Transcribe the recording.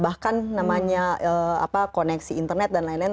bahkan namanya koneksi internet dan lain lain